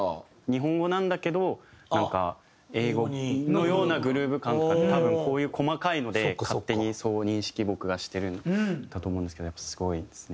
日本語なんだけどなんか英語のようなグルーヴ感とかって多分こういう細かいので勝手にそう認識僕がしてるんだと思うんですけどやっぱすごいですね。